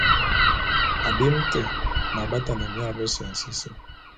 Abim té m’abatane mia bese nsisim.